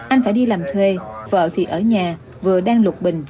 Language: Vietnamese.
anh phải đi làm thuê vợ thì ở nhà vừa đang lục bình